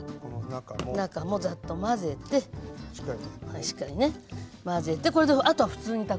中もざっと混ぜてしっかりね混ぜてこれであとは普通に炊くの。